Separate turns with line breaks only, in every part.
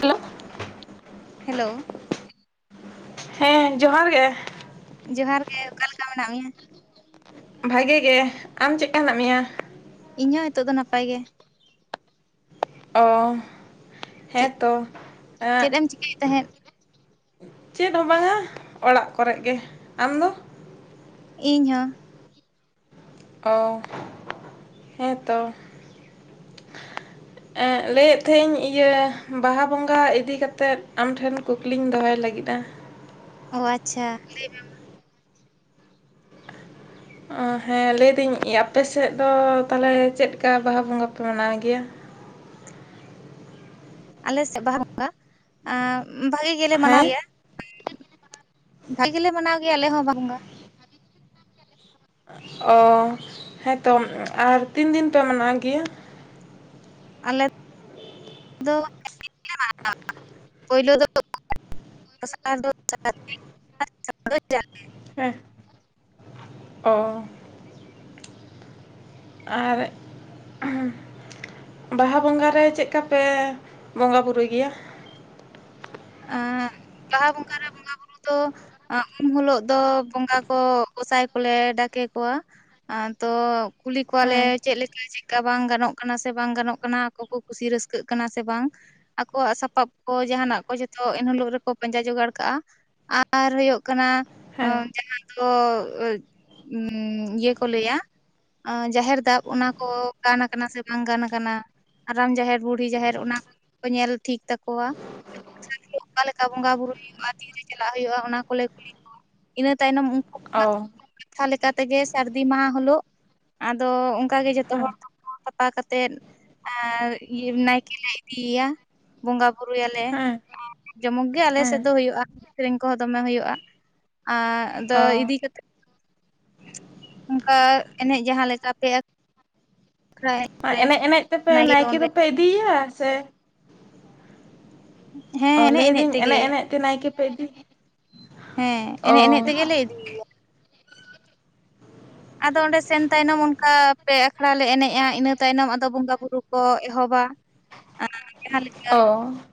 Hello
hello
ᱦᱮᱸ ᱡᱚᱦᱟᱨ ᱜᱮ
ᱡᱚᱦᱟᱨ ᱜᱮ ᱚᱠᱟᱞᱮᱠᱟ ᱢᱮᱱᱟᱜ ᱢᱮᱭᱟ
ᱵᱷᱟᱜᱮ ᱜᱮ ᱟᱢ ᱪᱮᱫᱠᱟ ᱦᱮᱱᱟᱜ ᱢᱮᱭᱟ
ᱤᱧᱦᱚᱸ ᱱᱤᱛᱚᱜ ᱫᱚ ᱱᱟᱯᱟᱭ ᱜᱮ
ᱚ ᱦᱮᱸ
ᱪᱮᱫ
ᱛᱚ ᱮᱸᱜ
ᱪᱮᱫ ᱮᱢ ᱪᱤᱠᱟᱹᱭᱮᱫ ᱛᱟᱦᱮᱸᱫ?
ᱪᱮᱫ ᱦᱚᱸ ᱵᱟᱝᱟ ᱚᱲᱟᱜ ᱠᱚᱨᱮᱜ ᱜᱮ ᱟᱢ ᱫᱚ
ᱤᱧ ᱦᱚᱸ
ᱚ ᱦᱮᱸ ᱛᱚ ᱮ ᱞᱟᱹᱭᱮᱫ ᱛᱟᱦᱮᱸᱫ ᱟ. ᱧ ᱤᱭᱟᱹ ᱵᱟᱦᱟ ᱵᱚᱸᱜᱟ ᱤᱫᱤ ᱠᱟᱛᱮᱫ ᱟᱢ ᱴᱷᱮᱱ ᱠᱩᱠᱞᱤᱧ ᱫᱚᱦᱚᱭ ᱞᱟᱹᱜᱤᱫᱼᱟ
ᱚ ᱟᱪᱪᱷᱟ ᱞᱟᱹᱭ ᱢᱮ ᱢᱟ
ᱚ ᱦᱮᱸ ᱞᱟᱹᱭ ᱫᱟᱹᱧ ᱟᱯᱮ ᱥᱮᱫ ᱫᱚ ᱛᱟᱞᱦᱮᱸ ᱪᱮᱫ ᱠᱟ ᱵᱟᱦᱟ ᱵᱚᱸᱜᱟ ᱯᱮ ᱢᱟᱱᱟᱣ ᱜᱮᱭᱟ
ᱟᱞᱮ ᱥᱮᱫ ᱵᱟᱦᱟ ᱵᱚᱸᱜᱟ ᱮ ᱵᱷᱟᱹᱜᱤ ᱜᱮᱞᱮ ᱢᱟᱱᱟᱣ
ᱦᱮᱸ
ᱜᱮᱭᱟ ᱵᱷᱟᱜᱤ ᱞᱮ ᱢᱟᱱᱟᱣ ᱜᱮᱭᱟ ᱟᱞᱮ ᱦᱚᱸ ᱵᱟᱦᱟ ᱵᱚᱸᱜᱟ
ᱚ ᱦᱮᱸ ᱛᱚ ᱟᱨ ᱛᱤᱱ ᱫᱤᱱ ᱯᱮ ᱢᱟᱱᱟᱣ ᱜᱮᱭᱟ
ᱟᱞᱮ ᱫᱚ ᱯᱮ ᱫᱤᱱ ᱜᱮᱞᱮ ᱢᱟᱱᱟᱣ ᱜᱮᱭᱟ ᱯᱳᱭᱞᱳ ᱫᱚ ᱫᱚᱥᱟᱨ ᱫᱚ ᱥᱟᱨᱫᱤ ᱟᱨ ᱛᱮᱥᱟᱨ ᱫᱚ ᱡᱟᱞᱮ
ᱦᱮᱸ ᱚ ᱟᱨ ᱵᱟᱦᱟ ᱵᱚᱸᱜᱟ ᱨᱮ ᱪᱮᱫᱠᱟ ᱯᱮ ᱵᱚᱸᱜᱟ ᱵᱩᱨᱩᱭ ᱜᱮᱭᱟ
ᱟ ᱵᱟᱦᱟ ᱵᱚᱸᱜᱟ ᱨᱮ ᱵᱚᱸᱜᱟ ᱵᱩᱨᱩ ᱛᱚ ᱩᱱ ᱦᱚᱞᱳᱜ ᱫᱚ ᱵᱚᱸᱜᱟ ᱠᱚ ᱜᱚᱸᱥᱟᱭ ᱠᱚᱞᱮ ᱰᱟᱠᱮ ᱠᱚᱣᱟ ᱟ ᱛᱚ ᱠᱩᱞᱤ ᱠᱚᱣᱟᱞᱮ
ᱦᱮᱸ
ᱪᱮᱫ ᱞᱮ ᱛᱚ ᱪᱮᱫᱠᱟ ᱵᱟᱝ ᱜᱟᱱᱚᱜ ᱠᱟᱱᱟ ᱥᱮ ᱵᱟᱝ ᱜᱟᱱᱚᱜ ᱠᱟᱱᱟ ᱟᱠᱚ ᱠᱚ ᱠᱩᱥᱤ ᱨᱟᱹᱥᱠᱟᱹᱜ ᱠᱟᱱᱟ ᱥᱮ ᱵᱟᱝ ᱟᱠᱚᱣᱟᱜ ᱥᱟᱯᱟᱵ ᱠᱚ ᱡᱟᱦᱟᱱᱟᱜ ᱚ ᱡᱷᱚᱛᱚ ᱮᱱ ᱦᱚᱞᱳᱜ ᱨᱮᱠᱚ ᱯᱟᱸᱡᱟ ᱡᱚᱜᱟᱲ ᱠᱟᱜᱼᱟ ᱟᱨ ᱦᱩᱭᱩᱜ ᱠᱟᱱᱟ
ᱦᱮᱸ
ᱡᱟᱦᱟᱸ ᱛᱚ ᱤᱭᱟᱹ ᱠᱚ ᱞᱟᱹᱭᱟ ᱚ ᱡᱟᱦᱮᱨ ᱫᱟᱵ ᱚᱱᱟ ᱠᱚ ᱜᱟᱱ ᱟᱠᱟᱱᱟ ᱥᱮ ᱵᱟᱝ ᱜᱟᱱ ᱟᱠᱟᱱᱟ ᱦᱟᱲᱟᱢ ᱡᱟᱦᱮᱨ ᱵᱩᱰᱦᱤ ᱡᱟᱦᱮᱨ ᱚᱱᱟ ᱠᱚ ᱠᱚ ᱧᱮᱞ ᱴᱷᱤᱠ ᱛᱟᱠᱚᱣᱟ ᱟᱪᱪᱷᱟ ᱚᱠᱟ ᱞᱮᱠᱟ ᱵᱚᱸᱜᱟ ᱵᱩᱨᱩ ᱦᱩᱭᱩᱜᱼᱟ ᱛᱤ ᱨᱮ ᱪᱟᱞᱟᱜ ᱦᱩᱭᱩᱜᱼᱟ ᱚᱱᱟ ᱠᱚᱞᱮ ᱠᱩᱞᱤ ᱠᱚᱣᱟ ᱤᱱᱟᱹ ᱛᱟᱭᱱᱚᱢ ᱩᱱ
ᱚ
ᱠᱟᱛᱷᱟ ᱞᱮᱠᱟ ᱛᱮᱜᱮ ᱥᱟᱨᱫᱤ ᱢᱟᱦᱟ ᱦᱤᱞᱚᱜ ᱟᱫᱚ ᱚᱱᱠᱟ ᱜᱮ ᱡᱚᱛᱚ
ᱦᱮᱸ
ᱦᱚᱲ ᱛᱚᱯᱳ ᱥᱟᱯᱷᱟ ᱠᱟᱛᱮᱫ ᱟᱨ ᱤᱭᱟ. ᱱᱟᱭᱠᱮᱞ ᱞᱮ ᱤᱫᱤ ᱮᱭᱟ ᱵᱚᱸᱜᱟ ᱵᱩᱨᱩ ᱭᱟᱞᱮ
ᱦᱮᱸ
ᱡᱚᱢᱚᱠ ᱜᱮ ᱟᱞᱮ
ᱦᱮᱸ
ᱥᱮᱫ ᱫᱚ ᱦᱩᱭᱩᱜᱼᱟ ᱥᱮᱸᱨᱮ‌ᱧ ᱠᱚᱦᱚᱸ ᱫᱚᱢᱮ ᱦᱩᱭᱩᱜᱼᱟ ᱟᱨ ᱟᱫᱚ
ᱚ
ᱤᱫᱤ ᱠᱟᱛᱮᱫ ᱚᱱᱠᱟ ᱮᱱᱮᱡ ᱡᱟᱦᱟᱸ ᱞᱮᱠᱟ ᱯᱮ ᱟᱠᱷᱲᱟ
ᱢᱟ
ᱠᱚᱨᱮ
ᱮᱱᱮᱡ ᱮᱱᱮᱡ ᱛᱮᱯᱮ
ᱫᱚ
ᱱᱟᱭᱠᱮ
ᱚᱸᱰᱮ
ᱫᱚᱯᱮ ᱤᱫᱤᱭ ᱭᱟ ᱥᱮ
ᱦᱮᱸ
ᱚ
ᱮᱱᱮᱡ
ᱞᱟᱹᱭ ᱫᱟᱹᱧ
ᱛᱮᱜᱮ
ᱮᱱᱮᱡ ᱮᱱᱮᱡ ᱛᱮ ᱱᱟᱭᱠᱮ ᱯᱮ ᱤᱫᱤ
ᱦᱮᱸ
ᱚ
ᱮᱱᱮᱡ ᱮᱱᱮᱡ ᱛᱮᱜᱮᱞᱮ ᱤᱫᱤᱭ ᱭᱟ ᱟᱫᱚ ᱚᱸᱰᱮ ᱥᱮᱱ ᱛᱟᱭᱱᱚᱢ ᱚᱱᱠᱟ ᱯᱮ ᱟᱠᱷᱲᱟ ᱞᱮ ᱮᱱᱮᱡᱼᱟ ᱤᱱᱟᱹ ᱛᱟᱭᱱᱚᱢ ᱟᱫᱚ ᱵᱚᱸᱜᱟ ᱵᱩᱨᱩ ᱠᱚ ᱮᱦᱚᱵᱟ
[unintelligible]
ᱟᱨ ᱡᱟᱦᱟᱸ ᱞᱮᱠᱟ
ᱚ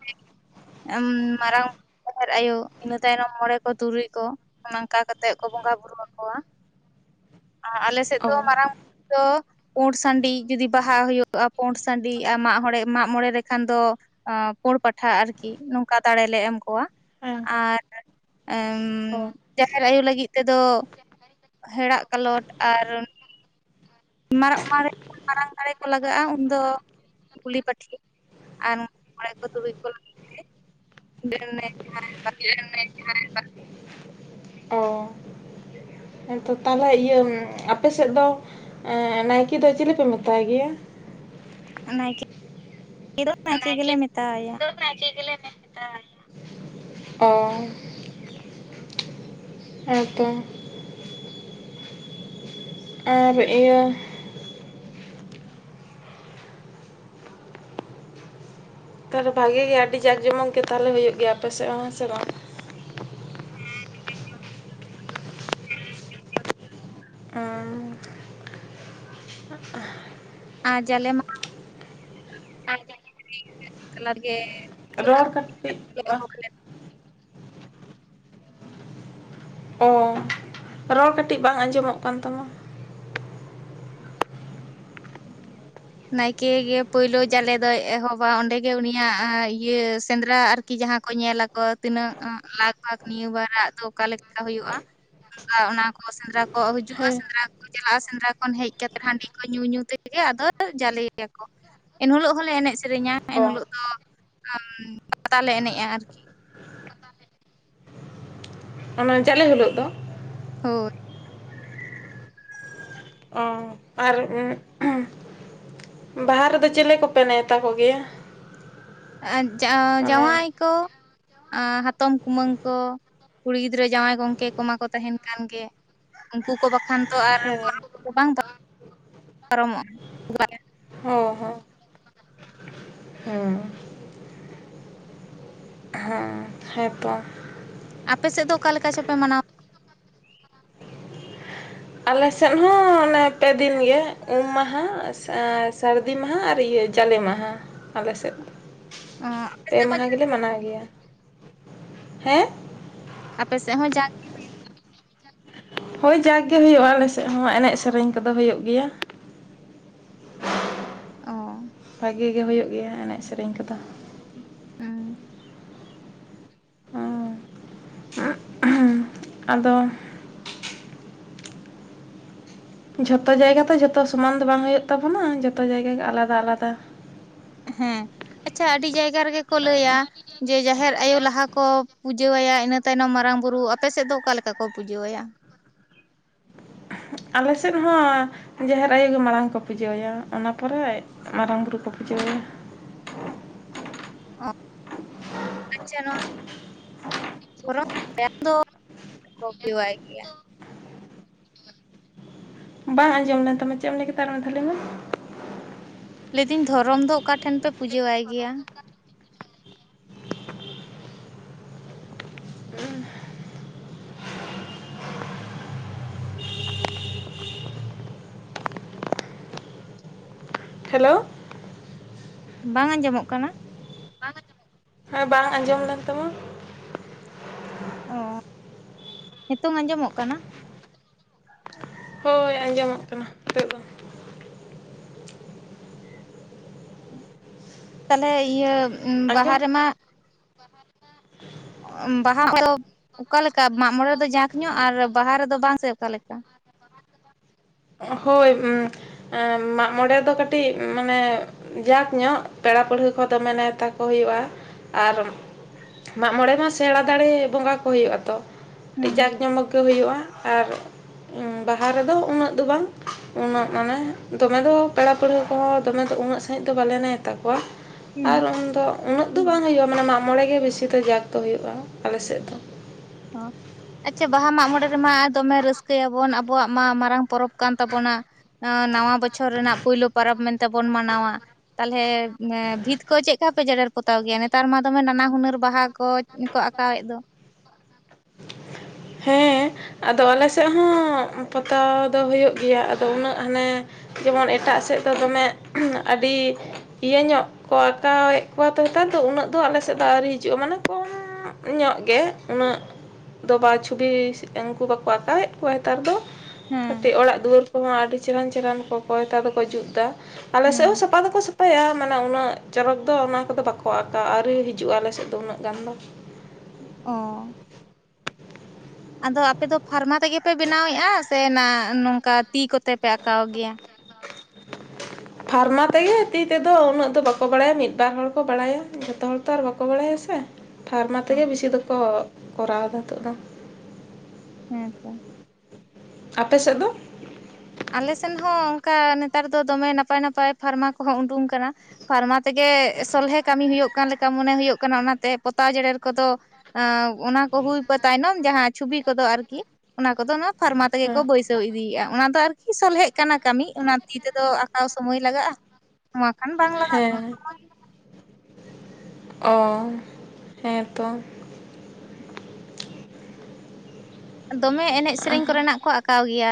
[unintelligible] ᱜᱮ ᱢᱟᱨᱟᱝ ᱵᱩᱨᱩ ᱡᱟᱦᱮᱨ ᱟᱭᱳ ᱤᱱᱟᱹ ᱛᱟᱭᱱᱚᱢ ᱢᱚᱬᱮ ᱠᱚ ᱛᱩᱨᱩᱭ ᱠᱚ ᱚᱱᱠᱟ ᱠᱟᱛᱮᱜ ᱠᱚ ᱵᱚᱸᱜᱟ ᱵᱩᱨᱩ ᱟᱠᱚᱣᱟ ᱟᱨ ᱟᱞᱮ ᱥᱮᱫ
ᱚ
ᱫᱚ ᱢᱟᱨᱟᱝ ᱵᱩᱨᱩ ᱫᱚ ᱯᱩᱸᱰ ᱥᱟᱺᱰᱤ ᱡᱩᱫᱤ ᱵᱟᱦᱟ ᱦᱩᱭᱩᱜᱼᱟ ᱯᱩᱸᱰ ᱥᱟᱺᱰᱤ ᱟᱨ ᱢᱟᱜ ᱢᱚᱬᱮ ᱢᱟᱜ ᱢᱚᱬᱮ ᱨᱮᱠᱷᱟᱱ ᱫᱚ ᱯᱳᱲ ᱯᱟᱴᱷᱟ ᱟᱨᱠᱤ ᱱᱚᱝᱠᱟ ᱫᱟᱲᱮᱞᱮ ᱮᱢ ᱠᱚᱣᱟ
ᱦᱮᱸ
ᱟᱨ
ᱚ
ᱡᱟᱦᱮᱨ ᱟᱭᱳ ᱞᱟᱹᱜᱤᱫ ᱛᱮᱫᱚ ᱦᱮᱲᱟᱜ ᱠᱟᱞᱚᱴ ᱟᱨ ᱢᱟᱨᱟᱜ ᱢᱮ ᱢᱟᱨᱟᱝ ᱫᱟᱲᱮ ᱠᱚ ᱞᱟᱜᱟᱜᱼᱟ ᱩᱱᱫᱚ ᱜᱩᱞᱤ ᱯᱟᱹᱴᱷᱤ ᱟᱨ ᱢᱚᱬᱮ ᱠᱚ ᱛᱩᱲᱩᱡ ᱠᱚ ᱞᱟᱹᱜᱤᱫ ᱡᱟᱦᱟᱸ
[unintelligible] ᱚ ᱦᱮᱸ ᱛᱚ ᱛᱟᱦᱚᱞᱮ ᱤᱭᱟᱹ ᱟᱯᱮ ᱥᱮᱫ ᱫᱚ ᱱᱟᱭᱠᱮ ᱫᱚ ᱪᱤᱞᱤᱯᱮ ᱢᱮᱛᱟᱭ ᱜᱮᱭᱟ
ᱱᱟᱭᱠᱮ ᱱᱟᱭᱠᱮ ᱜᱮᱞᱮ ᱢᱮᱛᱟᱣᱟᱭᱭᱟ
ᱱᱟᱭᱠᱮ ᱜᱮᱞᱮ ᱢᱮ ᱚ ᱟᱨ ᱛᱚ ᱟᱨ ᱤᱭᱟᱹ ᱛᱟᱦᱚᱞᱮ ᱵᱷᱟᱜᱮ ᱜᱮᱭᱟ ᱟᱹᱰᱤ ᱡᱟᱠ ᱡᱚᱢᱚᱠ ᱜᱮ ᱛᱟᱦᱚᱞᱮ ᱦᱩᱭᱩᱜ ᱜᱮᱭᱟ ᱟᱯᱮ ᱥᱮᱫ ᱦᱚᱸ ᱦᱮᱸ ᱥᱮ ᱵᱟᱝ
[unintelligible]
ᱩᱸ
ᱟᱨ ᱡᱟᱞᱮᱢ [unintelligible] ᱛᱟᱞᱟᱨ ᱜᱮ
ᱨᱚᱦᱚᱲ ᱠᱟᱛᱤ ᱠᱤ ᱚ ᱨᱚᱲ ᱠᱟᱹᱴᱤᱡ ᱵᱟᱝ ᱟᱸᱡᱚᱢᱚᱜ ᱠᱟᱱ ᱛᱟᱢᱟ
ᱱᱟᱭᱠᱮ ᱜᱮ ᱯᱳᱭᱞᱳ ᱡᱟᱞᱮ ᱫᱚᱭ ᱮᱦᱚᱵᱟ ᱚᱸᱰᱮ ᱜᱮ ᱩᱱᱤᱭᱟᱜ ᱤᱭᱟᱹ ᱥᱮᱸᱫᱽᱨᱟ ᱟᱨᱠᱤ ᱠᱤ ᱡᱟᱦᱟᱸ ᱠᱚ ᱧᱮᱞ ᱟᱠᱚ ᱛᱤᱱᱟᱹᱜ ᱞᱟᱜᱽ ᱵᱷᱟᱜ ᱱᱤᱭᱟᱹ ᱵᱟᱨᱟᱜ ᱫᱚ ᱚᱠᱟ ᱞᱮᱠᱟ ᱦᱩᱭᱩᱜᱼᱟ ᱚᱱᱠᱟ ᱚᱱᱟ ᱠᱚ ᱥᱮᱸᱫᱽᱨᱟ ᱠᱚ ᱦᱤᱡᱩᱜᱼᱟ
ᱦᱮᱸ
ᱥᱮᱸᱫᱽᱨᱟ ᱪᱟᱞᱟᱜᱼᱟ ᱥᱮᱸᱫᱽᱨᱟ ᱠᱷᱚᱱ ᱦᱮᱡ ᱠᱟᱛᱮ ᱦᱟᱺᱰᱤ ᱠᱚ ᱧᱩ ᱧᱩ ᱛᱮᱜᱮ ᱟᱫᱚ ᱡᱟᱞᱮᱭᱟᱠᱚ ᱮᱱᱦᱤᱞᱚᱜ ᱦᱚᱸᱞᱮ ᱮᱱᱮᱡ ᱥᱮᱨᱮᱧᱟ
ᱚ
ᱮᱱᱦᱤᱞᱚᱜ ᱫᱚ ᱟ ᱯᱟᱛᱟ ᱞᱮ ᱮᱱᱮᱡᱼᱟ ᱟᱨᱠᱤ
ᱚᱱᱟ ᱡᱟᱞᱮ ᱦᱤᱞᱚᱜ ᱫᱚ
ᱦᱚᱭ [inaudible]
ᱚ ᱟᱨ ᱩ ᱵᱟᱦᱟ ᱨᱮᱫᱚ ᱪᱤᱞᱮ ᱠᱚᱯᱮ ᱱᱮᱣᱛᱟ ᱠᱚᱜᱮᱭᱟ?
ᱟᱸ ᱡᱟᱶᱟ
ᱢᱟᱱᱮ
ᱡᱟᱶᱟᱭ ᱠᱚ᱾ [unintelligible] ᱦᱟᱛᱚᱢ ᱠᱩᱢᱟᱹᱝ ᱠᱚ ᱠᱩᱲᱤ ᱜᱤᱫᱽᱨᱟᱹ ᱡᱟᱶᱟᱭ ᱜᱚᱝᱠᱮ ᱠᱚᱢᱟ ᱠᱚ ᱛᱟᱦᱮᱱ ᱠᱟᱱ ᱜᱮ᱾ ᱩᱱᱠᱩ ᱠᱚ ᱵᱟᱠᱷᱟᱱ ᱫᱚ ᱟᱨ
ᱦᱮᱸ
ᱯᱚᱨᱚᱵ ᱠᱚᱫᱚ ᱵᱟᱝ ᱯᱟᱨᱚᱢᱚᱜᱼᱟ᱾
ᱦᱚᱸ ᱦᱚᱸ ᱦᱮᱸ ᱦᱮᱸ ᱦᱮᱸ ᱛᱚ
ᱟᱯᱮᱮᱥᱮᱫ ᱫᱚ ᱚᱠᱟ ᱞᱮᱠᱟ ᱪᱚᱯᱮ ᱢᱟᱱᱟᱣ?
ᱟᱞᱮᱥᱮᱫ ᱦᱚᱸ ᱚᱱᱮ ᱯᱮᱫᱤᱱ ᱜᱮ ᱩᱢ ᱢᱟᱦᱟ ᱥᱟᱹᱨᱫᱤ ᱢᱟᱦᱟ ᱟᱨ ᱤᱭᱟᱹ ᱡᱟᱞᱮ ᱢᱟᱦᱟ ᱟᱞᱮᱥᱮᱫ ᱫᱚ᱾
[unintelligible]
ᱯᱮ ᱢᱟᱦᱟ ᱜᱮᱞᱮ ᱢᱟᱱᱟᱣ ᱜᱮᱭᱟ ᱦᱮᱸ᱾
ᱟᱯᱮ ᱥᱮ ᱦᱚᱸ ᱡᱟᱠ
ᱦᱚᱭ ᱡᱟᱠᱜᱮ ᱦᱩᱭᱩᱜᱼᱟ ᱟᱞᱮᱥᱮᱫ ᱦᱚᱸ ᱮᱱᱮᱡ ᱥᱮᱨᱮᱧ ᱠᱚᱫᱚ ᱦᱩᱭᱩᱜ ᱜᱮᱭᱟ᱾
ᱚ
ᱵᱷᱟᱜᱮ ᱜᱮ ᱦᱩᱭᱩᱜ ᱜᱮᱭᱟ ᱮᱱᱮᱡ ᱥᱮᱨᱮᱧ ᱠᱚᱫᱚ᱾
ᱦᱩᱸ
ᱟᱫᱚ ᱡᱷᱚᱛᱚ ᱡᱟᱭᱜᱟ ᱛᱚ ᱡᱷᱚᱛᱚ ᱥᱚᱢᱟᱱ ᱫᱚ ᱵᱟᱝ ᱦᱩᱭᱩᱜ ᱛᱟᱵᱚᱱᱟ ᱡᱷᱚᱛᱚ ᱡᱟᱭᱜᱟ ᱜᱮ ᱟᱞᱟᱫᱟ ᱟᱞᱟᱫᱟ᱾
ᱦᱮᱸ ᱟᱪᱪᱷᱟ ᱟᱹᱰᱤ ᱡᱟᱭᱜᱟ ᱨᱮᱜᱮ ᱠᱚ ᱞᱟᱹᱭᱟ, ᱡᱮ ᱡᱟᱦᱮᱨ ᱟᱭᱳ ᱞᱟᱦᱟ ᱠᱚ ᱯᱩᱡᱟᱹ ᱟᱭᱟ ᱤᱱᱟᱹ ᱛᱟᱭᱱᱚᱢ ᱢᱟᱨᱟᱝ ᱵᱩᱨᱩ ᱟᱯᱮ ᱥᱮᱫ ᱫᱚ ᱚᱠᱟᱞᱮᱠᱟ ᱠᱚ ᱯᱩᱡᱟᱹᱣ ᱟᱭᱟ?
ᱟᱞᱮ ᱥᱮᱫ ᱦᱚᱸ ᱡᱟᱦᱮᱨ ᱟᱭᱳ ᱜᱮ ᱢᱟᱲᱟᱝ ᱠᱚ ᱯᱩᱡᱟᱹᱭ ᱟᱭᱟ ᱚᱱᱟ ᱯᱚᱨᱮ ᱢᱟᱨᱟᱝᱵᱩᱨᱩ ᱠᱚ ᱯᱩᱡᱟᱹᱣ ᱟᱭᱟ᱾
ᱚ ᱟᱪᱪᱷᱟ ᱱᱚᱣᱟ ᱫᱦᱚᱨᱚᱢ ᱵᱚᱸᱜᱟ ᱫᱚ [unintelligible] ᱠᱚ ᱯᱩᱡᱟᱹᱣᱟᱭ ᱜᱮᱭᱟ᱾
ᱵᱟᱝ ᱟᱸᱡᱚᱢ ᱞᱮᱱ ᱛᱟᱢᱟ ᱪᱮᱫ ᱮᱢ ᱞᱟᱹᱭᱠᱮᱫᱟ ᱟᱨ ᱢᱤᱫ ᱫᱷᱟᱣ ᱞᱟᱹᱭ ᱢᱮ᱾
ᱞᱟᱹᱭᱫᱟᱹᱧ ᱫᱷᱚᱨᱚᱢ ᱫᱚ ᱚᱠᱟ ᱴᱷᱮᱱ ᱯᱮ ᱯᱩᱡᱟᱹᱟᱭ ᱜᱮᱭᱟ?
ᱦᱮᱞᱳ
ᱵᱟᱝ ᱟᱸᱡᱚᱢᱚᱜ ᱠᱟᱱᱟ?
ᱦᱮᱸ ᱵᱟᱝ ᱟᱸᱡᱚᱢ ᱞᱮᱱ ᱛᱟᱢᱟ᱾
ᱚ ᱦᱮᱹᱛᱚᱝ ᱟᱸᱡᱚᱢᱚᱜ ᱠᱟᱱᱟ?
ᱦᱳᱭ ᱟᱸᱡᱚᱢᱚᱜ ᱠᱟᱱᱟ ᱱᱤᱛᱳᱜᱼᱫᱚ᱾
ᱛᱟᱦᱞᱮ ᱤᱭᱟᱹ ᱵᱟᱦᱟ
ᱟᱸᱡᱚᱢ
ᱨᱮᱢᱟ,
[unintelligible]
ᱵᱟᱦᱟ [unintelligible] ᱚᱠᱟᱮᱠᱟ ᱢᱟᱜᱢᱚᱬᱮ ᱨᱮᱫᱚ ᱡᱟᱸᱠ ᱧᱚᱜ ᱟᱨ ᱵᱟᱦᱟ ᱨᱮᱫᱚ ᱵᱟᱝ ᱥᱮ ᱚᱠᱟᱞᱮᱠᱟ?
ᱦᱳᱭ ᱢᱟᱜᱢᱚᱬᱮ ᱫᱚ ᱠᱟᱹᱴᱤᱡ ᱢᱟᱱᱮ ᱡᱟᱸᱠ ᱧᱚᱜ ᱯᱮᱲᱟ ᱯᱟᱹᱲᱦᱟᱹ ᱠᱚ ᱫᱚᱢᱮ ᱱᱮᱶᱛᱟ ᱠᱚ ᱦᱩᱭᱩᱜᱼᱟ ᱟᱨ ᱢᱟᱜᱢᱚᱬᱮ ᱢᱟ ᱥᱮᱬᱟ ᱫᱟᱸᱲᱮ ᱵᱚᱸᱜᱟ ᱠᱚ ᱦᱩᱭᱩᱜ ᱟᱛᱚ᱾ ᱠᱟᱹᱴᱤᱡ
ᱦᱩᱸ
ᱡᱟᱸᱠ ᱡᱚᱢᱚᱠ ᱜᱮ ᱦᱩᱭᱩᱜᱼᱟ, ᱟᱨ ᱵᱟᱦᱟ ᱨᱮᱫᱚ ᱩᱱᱟᱹᱜ ᱫᱚ ᱵᱟᱝ᱾ ᱩᱱᱟᱹᱜ ᱢᱟᱱᱮ ᱫᱚᱢᱮ ᱫᱚ ᱯᱮᱲᱟ ᱯᱟᱹᱲᱦᱟᱹ ᱠᱚᱦᱚᱸ ᱫᱚᱢᱮ ᱫᱚ ᱩᱱᱟᱹᱜ ᱥᱟᱺᱦᱤᱡ ᱫᱚ ᱵᱟᱞᱮ ᱱᱮᱶᱛᱟ ᱠᱚᱣᱟ᱾
ᱦᱩᱸ
ᱟᱨ ᱩᱱᱫᱚ ᱩᱱᱟᱹᱜ ᱫᱚ ᱵᱟᱝ ᱦᱩᱭᱩᱜᱼᱟ ᱢᱟᱱᱮ ᱢᱟᱜᱢᱚᱬᱮ ᱜᱮ ᱵᱤᱥᱤ ᱫᱚ ᱡᱟᱸᱠ ᱫᱚ ᱦᱩᱭᱩᱜᱼᱟ ᱟᱞᱮ ᱥᱮᱫ ᱫᱚ᱾
ᱚ ᱟᱪᱪᱷᱟ ᱵᱟᱦᱟ ᱢᱟᱜᱢᱚᱬᱮ ᱨᱮᱢᱟ ᱫᱚᱢᱮ ᱨᱟᱹᱥᱠᱟᱹᱭᱟᱵᱚᱱ ᱟᱵᱚᱣᱟᱜ ᱢᱟ ᱢᱟᱨᱟᱝ ᱯᱚᱨᱚᱵᱽ ᱠᱟᱱ ᱛᱟᱵᱚᱱᱟ᱾ ᱱᱚᱣᱟ ᱱᱟᱣᱟ ᱵᱚᱪᱷᱚᱨ ᱨᱮᱱᱟᱜ ᱯᱳᱭᱞᱳ ᱯᱚᱨᱚᱵᱽ ᱢᱮᱱᱛᱮᱵᱚᱱ ᱢᱟᱱᱟᱣᱟ᱾ ᱛᱟᱦᱞᱮ ᱵᱷᱤᱛ ᱠᱚ ᱪᱮᱫ ᱠᱟ ᱯᱮ ᱡᱮᱨᱮᱲ ᱯᱚᱛᱟᱣ ᱜᱮᱭᱟ ᱱᱮᱛᱟᱨ ᱢᱟ ᱫᱚᱢᱮ ᱱᱟᱱᱟ ᱦᱩᱱᱟᱹᱨ ᱵᱟᱦᱟ ᱠᱚ, ᱟᱸᱠᱟᱣᱮᱫ ᱫᱚ
ᱦᱮᱸ ᱟᱫᱚ ᱟᱞᱮ ᱥᱮᱫ ᱦᱚᱸ ᱯᱚᱛᱟᱣ ᱫᱚ ᱦᱩᱭᱩᱜ ᱜᱮᱭᱟ ᱟᱫᱚ ᱩᱱᱟᱹᱜ ᱦᱟᱱᱮ ᱡᱮᱢᱚᱱ ᱮᱴᱟᱜ ᱥᱮᱫ ᱫᱚ ᱫᱚᱢᱮ ᱟᱹᱰᱤ ᱤᱭᱟᱹ ᱧᱚᱜ ᱠᱚ ᱟᱸᱠᱟᱣᱮᱫ ᱠᱚᱣᱟ ᱛᱚ ᱱᱮᱛᱟᱨ ᱫᱚ ᱩᱱᱟᱹᱜ ᱫᱚ ᱟᱞᱮ ᱥᱮᱫ ᱫᱚ ᱟᱹᱣᱨᱤ ᱦᱤᱡᱩᱜᱼᱟ ᱢᱟᱱᱮ ᱠᱚᱢ, ᱧᱚᱜ ᱜᱮ ᱩᱱᱟᱹᱜ ᱫᱚ ᱵᱟ ᱪᱷᱚᱵᱤ ᱩᱱᱠᱩ ᱵᱟᱠᱚ ᱟᱸᱠᱟᱣᱮᱫ ᱠᱚᱣᱟ ᱱᱮᱛᱟᱨ ᱫᱚ
ᱦᱮᱸ
ᱠᱟᱹᱴᱤᱡ ᱚᱲᱟᱜ ᱫᱩᱣᱟᱹᱨ ᱩᱱᱠᱩ ᱢᱟ ᱟᱹᱰᱤ ᱪᱮᱦᱨᱟᱱ ᱪᱮᱦᱨᱟᱱ ᱠᱚ ᱠᱚᱭᱛᱟ ᱫᱚᱠᱚ ᱡᱩᱛ ᱫᱟ ᱟᱞᱮ ᱥᱮᱫ
ᱦᱩᱸ
ᱦᱚᱸ ᱥᱟ ᱥᱟᱯᱟ ᱫᱚᱠᱚ ᱥᱟᱯᱟᱭᱟ ᱢᱟᱱᱮ ᱩᱱᱟᱹᱜ ᱪᱚᱨᱚᱠ ᱫᱚ ᱚᱱᱟ ᱠᱚᱫᱚ ᱵᱟᱠᱚ ᱟᱸᱠᱟᱣ-ᱟ ᱟᱨᱣᱨᱤ ᱦᱤᱡᱩᱜᱼᱟ ᱟᱞᱮᱥᱮᱫ ᱫᱚ ᱩᱱᱟᱹᱜ ᱜᱟᱱ ᱫᱚ
ᱚ ᱟᱫᱚ ᱟᱯᱮ ᱫᱚ ᱯᱷᱟᱨᱢᱟ ᱛᱮᱜᱮ ᱯᱮ ᱵᱮᱱᱟᱣᱮᱫᱼᱟ ᱥᱮ ᱚᱱᱟ ᱱᱚᱝᱠᱟ ᱛᱤ ᱠᱚᱛᱮ ᱯᱮ ᱟᱸᱠᱟᱣ ᱜᱮᱭᱟ
[inaudible] ᱯᱷᱟᱨᱢᱟ ᱛᱮᱜᱮ ᱛᱤ ᱛᱮᱫᱚ ᱩᱱᱟᱹᱜ ᱫᱚ ᱵᱟᱠᱚ ᱵᱟᱲᱟᱭᱟ ᱢᱤᱫᱵᱟᱨ ᱦᱚᱲ ᱠᱚ ᱵᱟᱲᱟᱭᱟ ᱡᱚᱛᱚ ᱦᱚᱲ ᱛᱚ ᱟᱨ ᱵᱟᱠᱚ ᱵᱟᱲᱟᱭᱟ ᱥᱮ ᱯᱷᱟᱨᱢᱟ ᱛᱮᱜᱮ ᱵᱤᱥᱤ ᱫᱚᱠᱚ ᱠᱚᱨᱟᱣᱫᱟ ᱦᱤᱛᱚᱜ ᱫᱚ
ᱦᱮᱸᱛᱚ
ᱟᱯᱮ ᱥᱮᱫ ᱫᱚ?
ᱟᱞᱮ ᱥᱮᱱ ᱦᱚᱸ ᱚᱱᱠᱟ ᱱᱮᱛᱟᱨ ᱫᱚ ᱫᱚᱢᱮ ᱱᱟᱯᱟᱭ ᱱᱟᱯᱟᱭ ᱯᱷᱟᱨᱢᱟ ᱠᱚᱦᱚᱸ ᱩᱰᱩᱝ ᱠᱟᱱᱟ ᱯᱷᱟᱨᱢᱟ ᱛᱮᱜᱮ ᱥᱚᱞᱦᱮ ᱠᱟᱹᱢᱤ ᱦᱩᱭᱩᱜ ᱠᱟᱱ ᱞᱮᱠᱟ ᱢᱚᱱᱮ ᱦᱩᱭᱩᱜ ᱠᱟᱱᱟ ᱚᱱᱟᱛᱮ ᱯᱚᱛᱟᱣ ᱡᱮᱲᱮᱨ ᱠᱚᱫᱚ ᱚᱱᱟ ᱠᱚ ᱦᱩᱭ ᱯᱚ ᱛᱟᱭᱱᱚᱢ ᱡᱟᱦᱟᱸ ᱪᱷᱩᱵᱤ ᱠᱚᱫᱚ ᱟᱨᱠᱤ ᱚᱱᱟ ᱠᱚᱫᱚ ᱚᱱᱟ ᱯᱷᱟᱨᱢᱟ ᱛᱮᱜᱮ ᱠᱚ
ᱦᱮᱸ
ᱵᱟᱹᱭᱥᱟᱹᱣ ᱤᱫᱤᱭᱮᱫᱼᱟ ᱚᱱᱟ ᱫᱚ ᱟᱨ ᱠᱤ ᱥᱚᱞᱦᱮᱜ ᱠᱟᱱᱟ ᱠᱟᱹᱢᱤ ᱚᱱᱟ ᱛᱤ ᱛᱮᱫᱚ ᱟᱸᱠᱟᱣ ᱥᱚᱢᱚᱭ ᱞᱟᱜᱟᱜᱼᱟ ᱱᱚᱣᱟ ᱠᱷᱟᱱ ᱵᱟᱝ ᱞᱟᱜᱟᱜ ᱠᱟᱱᱟ
ᱦᱮᱸ ᱚ ᱦᱮᱸ ᱛᱚ
ᱫᱚᱢᱮ ᱮᱱᱮᱡ ᱥᱮᱨᱮᱧ ᱠᱚᱨᱮᱱᱟᱜ ᱠᱚ ᱟᱸ ᱟᱸᱠᱟᱣ ᱜᱮᱭᱟ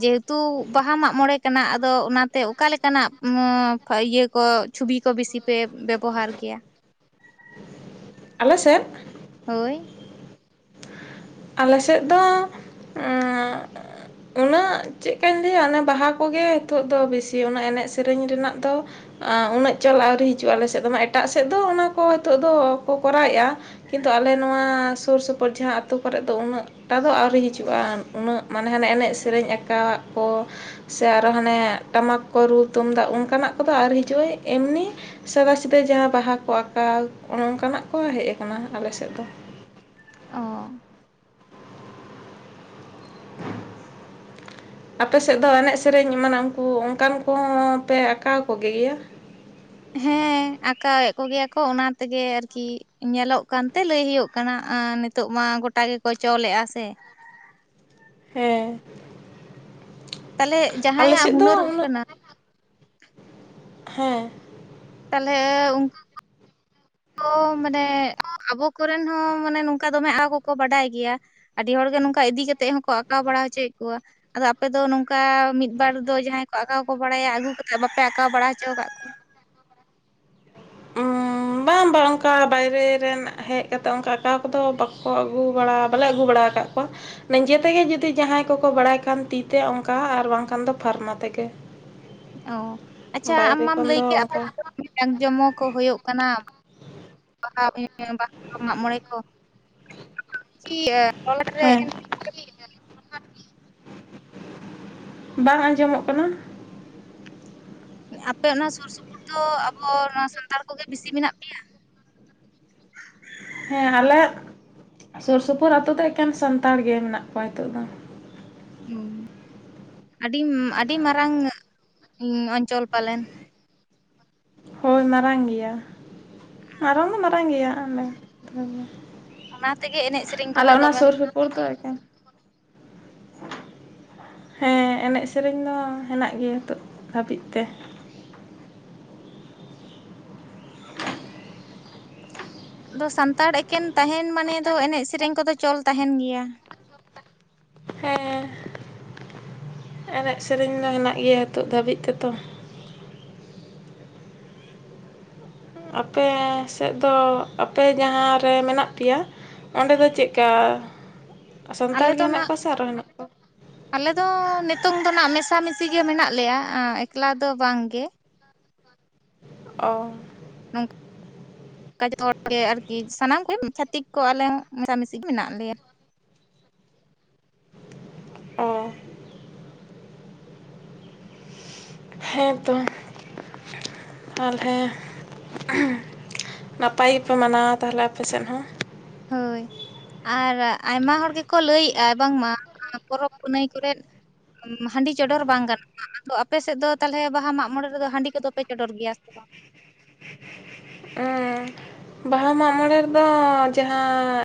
ᱡᱮᱦᱮᱛᱩ ᱵᱟᱦᱟ ᱢᱟᱜᱢᱚᱬᱮ ᱠᱟᱱᱟ ᱟᱫᱚ ᱚᱱᱟᱛᱮ ᱚᱠᱟ ᱞᱮᱠᱟᱱᱟᱜ ᱠᱷᱟᱡ ᱤᱭᱟᱹ ᱠᱚ ᱪᱷᱩᱵᱤ ᱠᱚ ᱵᱮᱥᱤ ᱯᱮ ᱵᱮᱵᱚᱦᱟᱨ ᱜᱮᱭᱟ
ᱟᱞᱮ ᱥᱮᱫ
ᱦᱳᱭ
ᱟᱞᱮᱥᱮᱫ ᱫᱚ ᱚᱸ ᱩᱱᱟᱹᱜ ᱪᱮᱫᱠᱟᱧ ᱞᱟᱹᱭᱟ ᱚᱱᱮ ᱵᱟᱦᱟ ᱠᱚᱜᱮ ᱱᱤᱛᱚᱜ ᱫᱚ ᱵᱮᱥᱤ ᱩᱹᱜᱟᱜ ᱮᱱᱮᱡ ᱥᱮᱨᱮᱧ ᱨᱮᱱᱟᱜ ᱫᱚ ᱩᱱᱟᱹᱜ ᱪᱚᱞ ᱟᱹᱣᱨᱤ ᱦᱤᱡᱩᱜᱼᱟ ᱟᱞᱮ ᱥᱮᱫ ᱢᱟ ᱮᱴᱟᱜ ᱥᱮᱫ ᱫᱚ ᱚᱱᱟ ᱠᱚ ᱱᱤᱛᱚᱜ ᱫᱚ ᱠᱚ ᱠᱚᱨᱟᱣᱮᱜᱼᱟ ᱠᱤᱱᱛᱩ ᱟᱞᱮ ᱱᱚᱣᱟ ᱥᱩᱨ ᱥᱩᱯᱩᱨ ᱡᱟᱦᱟᱸ ᱟᱹᱛᱩ ᱠᱚᱨᱮᱫ ᱫᱚ ᱩᱱᱟᱹᱜ ᱴᱟᱜ ᱫᱚ ᱟᱹᱣᱨᱤ ᱦᱤᱡᱩᱜᱼᱟ ᱩᱱᱟᱹᱜ ᱢᱟᱱᱮ ᱦᱟᱱᱮ ᱮᱱᱮᱡ ᱥᱮᱨᱮᱧ ᱟᱠᱟᱸᱟᱣᱟᱜ ᱠᱚ ᱥᱮ ᱟᱨᱦᱚ ᱦᱟᱱᱮ ᱴᱟᱢᱟᱠ ᱠᱚ ᱨᱩ ᱛᱩᱢᱫᱟᱜ ᱚᱱᱠᱟᱱᱟᱜ ᱠᱚᱫᱚ ᱟᱹᱣᱨᱤ ᱦᱤᱡᱩᱜᱼᱟ ᱮᱢᱱᱤ ᱥᱟᱫᱟ ᱥᱤᱫᱟᱹ ᱡᱟᱦᱟᱸ ᱵᱟᱦᱟ ᱠᱚ ᱟᱸᱠᱟᱣ ᱚᱱ ᱚᱱᱠᱟᱱᱟᱜ ᱠᱚ ᱦᱮᱸᱡ ᱠᱟᱱᱟ ᱟᱞᱮ ᱥᱮᱫ ᱫᱚ
ᱚ
[unintelligible] ᱟᱯᱮ ᱥᱮᱫ ᱫᱚ ᱮᱱᱮᱡ ᱥᱮᱨᱮᱧ ᱮᱢᱟᱱᱟᱜ ᱩᱱᱠᱩ ᱚᱱᱠᱟᱱ ᱠᱚᱦᱚᱸ ᱯᱮ ᱟᱸᱠᱟᱣ ᱠᱚ ᱜᱮᱭᱟ
ᱦᱮᱸ ᱟᱠᱟᱸᱠᱟᱣᱮᱫ ᱠᱚᱜᱮᱭᱟ ᱠᱚ ᱚᱱᱟ ᱛᱮᱜᱮ ᱟᱨᱠᱤ ᱧᱮᱞᱚᱜ ᱠᱟᱱᱛᱮ ᱞᱟᱹᱭ ᱦᱩᱭᱩᱜ ᱠᱟᱱᱟ ᱟ ᱱᱤᱛᱚᱜ ᱢᱟ ᱜᱚᱴᱟ ᱜᱚᱴᱟ ᱜᱮᱠᱚ ᱪᱚᱞᱮᱜᱼᱟ ᱥᱮ
ᱦᱮᱸ
ᱛᱟᱦᱚᱞᱮ
ᱟᱞᱮ
ᱡᱟᱦᱟᱸᱭᱟᱜ
ᱥᱮᱫ ᱫᱚ
ᱦᱩᱱᱟᱹᱨ
ᱩᱱᱟᱹᱜ
ᱠᱟᱱᱟ
ᱦᱮᱸ
ᱛᱟᱞᱦᱮ ᱩᱱᱠᱩ ᱠᱚ ᱢᱟᱱᱮ ᱟᱵᱚ ᱠᱚᱨᱮᱱ ᱦᱚᱸ ᱢᱟᱱᱮ ᱱᱚᱝᱠᱟ ᱫᱚᱢᱮ ᱟ ᱠᱚᱠᱚ ᱵᱟᱰᱟᱭ ᱜᱮᱭᱟ ᱟᱹᱰᱤ ᱦᱚᱲᱜᱮ ᱱᱚᱝᱠᱟ ᱤᱫᱤ ᱠᱟᱛᱮᱫ ᱦᱚᱸᱠᱚ ᱟᱸᱠᱟᱣ ᱵᱟᱲᱟ ᱦᱚᱪᱚᱭᱮᱫ ᱠᱚᱣᱟ ᱟᱫᱚ ᱟᱯᱮ ᱫᱚ ᱱᱚᱝᱠᱟ ᱢᱤᱫᱵᱟᱨ ᱫᱚ ᱡᱟᱦᱟᱸᱭ ᱠᱚ ᱟᱸᱠᱟᱣ ᱠᱚ ᱵᱟᱲᱟᱭᱟ ᱟᱹᱜᱩ ᱠᱟᱛᱮᱫ ᱵᱟᱯᱮ ᱟᱸᱠᱟᱣ ᱵᱟᱲᱟ ᱦᱚᱪᱚ ᱠᱟᱫ ᱠᱚᱣᱟ
ᱩᱹ [inaudible] ᱵᱟᱝ ᱵᱟᱝ ᱚᱱᱠᱟ ᱵᱟᱭᱨᱮ ᱨᱮᱱ ᱦᱮᱡ ᱠᱟᱛᱮ ᱚᱱᱠᱟ ᱟᱠᱟᱸᱠᱟᱣ ᱠᱚᱫᱚ ᱵᱟᱠᱚ ᱟᱹᱜᱩ ᱵᱟᱲᱟ ᱵᱟᱞᱮ ᱟᱹᱜᱩ ᱵᱟᱲᱟ ᱠᱟᱫ ᱟᱠᱟᱫ ᱠᱚᱣᱟ ᱱᱤᱡᱮ ᱛᱮᱜᱮ ᱡᱩᱫᱤ ᱡᱟᱦᱟᱸᱭ ᱠᱚᱠᱚ ᱵᱟᱲᱟᱭ ᱠᱷᱟᱱ ᱛᱤᱛᱮ ᱚᱱᱠᱟ ᱟᱨ ᱵᱟᱝᱠᱷᱟᱱ ᱫᱚ ᱯᱷᱟᱨᱢᱟ ᱛᱮᱜᱮ
ᱚ ᱟᱪᱪᱷᱟ ᱟᱢ
ᱵᱟᱭᱨᱮ
ᱢᱟᱢ
ᱠᱷᱚᱱ
ᱞᱟᱹᱭ
ᱫᱚ
ᱠᱮᱫ ᱟᱯᱮ
ᱚᱱᱠᱟ
ᱥᱮᱫ ᱫᱚ ᱡᱤᱫᱟᱝ ᱡᱚᱢᱚᱠ ᱠᱚ ᱦᱩᱭᱩᱜ ᱠᱟᱱᱟ ᱵᱟᱦᱟ ᱵᱟᱦᱟ ᱢᱟᱜ ᱢᱚᱬᱮ ᱠᱚ [inaudible]
ᱦᱮᱸ ᱵᱟᱝ ᱟᱸᱡᱚᱢᱚᱜ ᱠᱟᱱᱟ
ᱟᱯᱮ ᱚᱱᱟ ᱥᱩᱨ ᱥᱩᱯᱩᱨ ᱫᱚ ᱟᱵᱚ ᱱᱚᱣᱟ ᱥᱟᱱᱛᱟᱲ ᱠᱚᱜᱮ ᱵᱤᱥᱤ ᱢᱮᱱᱟᱜ ᱯᱮᱭᱟ
ᱦᱮᱸ ᱟᱞᱮ ᱥᱩᱨ ᱥᱩᱯᱩᱨ ᱟᱛᱳ ᱫᱚ ᱮᱠᱮᱱ ᱥᱟᱱᱛᱟᱲ ᱜᱮ ᱢᱮᱱᱟᱜ ᱠᱚᱣᱟ ᱱᱤᱛᱚᱜ ᱫᱚ
ᱦᱩᱸ ᱟᱹᱰᱤ ᱟᱹᱰᱤ ᱢᱟᱨᱟᱝ ᱚᱧᱪᱚᱞ ᱯᱟᱞᱮᱱ
ᱦᱳᱭ ᱢᱟᱨᱟᱝ ᱜᱮᱭᱟ ᱢᱟᱨᱟᱝ ᱫᱚ ᱢᱟᱨᱟᱝ ᱜᱮᱭᱟ ᱚᱱᱮ ᱛᱟᱞᱦᱮ
ᱚᱱᱟ ᱛᱮᱜᱮ ᱮᱱᱮᱡ ᱥᱮᱨᱮᱧ
ᱟᱞᱮ
ᱠᱚᱦᱚᱸ
ᱚᱱᱟ
ᱫᱚᱢᱮ
ᱥᱩᱨ
ᱦᱩᱭᱩᱜ
ᱥᱩᱯᱩᱨ ᱫᱚ ᱮᱠᱷᱮᱱ ᱦᱮᱸ ᱮᱱᱮᱡ ᱥᱮᱨᱮᱧ ᱫᱚ ᱦᱮᱱᱟᱜ ᱜᱮᱭᱟ ᱱᱤᱛᱳ ᱦᱟᱹᱵᱤᱡ ᱛᱮ
ᱟᱫᱚ ᱥᱟᱱᱛᱟᱲ ᱮᱠᱮᱱ ᱛᱟᱸᱦᱮᱱ ᱢᱟᱱᱮ ᱫᱚ ᱮᱱᱮᱡ ᱥᱮᱨᱮᱧ ᱠᱚᱫᱚ ᱪᱚᱞ ᱛᱟᱸᱦᱮᱱ ᱜᱮᱭᱟ
ᱦᱮᱸ ᱮᱱᱮᱡ ᱥᱮᱨᱮᱧ ᱫᱚ ᱦᱮᱱᱟᱜ ᱜᱮᱭᱟ ᱱᱤᱛᱚᱜ ᱫᱷᱟᱹᱵᱤᱡ ᱛᱮᱛᱚ ᱟᱯᱮ ᱥᱮᱫ ᱫᱚ ᱟᱯᱮ ᱡᱟᱦᱟᱸᱨᱮ ᱢᱮᱱᱟᱜ ᱯᱮᱭᱟ ᱚᱸᱰᱮ ᱫᱚ ᱪᱮᱫᱞᱠᱟ ᱥᱟᱱᱛᱟᱲ
ᱟᱞᱮ
ᱜᱮ
ᱫᱚ
ᱦᱮᱱᱟᱜ
ᱱᱟᱜ
ᱠᱚᱣᱟ ᱥᱮ ᱟᱨᱚ ᱦᱮᱱᱟᱜ ᱠᱚᱣᱟ
ᱟᱞᱮ ᱫᱚ ᱱᱤᱛᱚᱝ ᱫᱚ ᱱᱟᱜ ᱢᱮᱥᱟᱢᱤᱥᱤ ᱜᱮ ᱢᱮᱱᱟᱜ ᱞᱮᱭᱟ ᱮᱠᱞᱟ ᱫᱚ ᱵᱟᱝ ᱜᱮ
ᱚ
[unintelligible] ᱱᱚᱝ ᱠᱟ ᱦᱚᱲ ᱜᱮ ᱟᱨᱠᱤ ᱥᱟᱱᱟᱢ ᱠᱚᱜᱮ ᱪᱷᱟᱟᱹᱛᱤᱠ ᱠᱚ ᱟᱞᱮ ᱦᱚᱸ ᱢᱮᱥ ᱢᱤᱥᱤ ᱜᱮ ᱢᱮᱱᱟᱜ ᱞᱮᱭᱟ
ᱚ ᱦᱮᱸᱛᱚ ᱛᱟᱞᱦᱮ ᱱᱟᱯᱟᱭ ᱜᱮᱯᱮ ᱢᱟᱱᱟᱣᱟ ᱛᱟᱞᱦᱮ ᱟᱯᱮ ᱥᱮᱫ ᱦᱚᱸ
ᱦᱳᱭ ᱟᱨ ᱟᱭᱢᱟ ᱦᱚᱲ ᱜᱮᱠᱚ ᱞᱟᱹᱭᱮᱫᱼᱟ ᱵᱟᱝᱢᱟ ᱯᱚᱨᱚᱵᱽ ᱯᱩᱱᱟᱹᱭ ᱠᱚᱨᱮ ᱦᱟᱺᱰᱤ ᱪᱚᱰᱚᱨ ᱵᱟᱝ ᱜᱟᱱᱚᱜᱼᱟ ᱟᱫᱚ ᱟᱯᱮ ᱥᱮᱫ ᱫᱚ ᱛᱟᱞᱦᱮ ᱵᱟᱦᱟ ᱢᱟᱜ ᱢᱚᱬᱮ ᱨᱮᱫᱚ ᱦᱟᱺᱰᱤ ᱠᱚᱫᱚ ᱯᱮ ᱪᱚᱰᱚᱨ ᱜᱮᱭᱟ ᱥᱮ ᱵᱟᱝ
ᱵᱟᱦᱟ ᱢᱟᱜ ᱢᱚᱬᱮ ᱨᱮᱫᱚ ᱡᱟᱦᱟᱸ